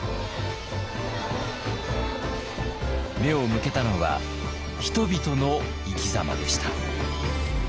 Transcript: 目を向けたのは人々の生き様でした。